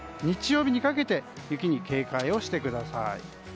日曜日にかけて雪に警戒をしてください。